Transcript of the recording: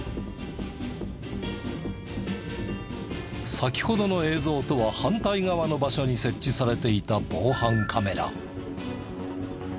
先ほどの映像とは反対側の場所に設置されていた防犯カメラ。